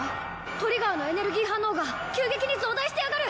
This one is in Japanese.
トリガーのエネルギー反応が急激に増大してやがる！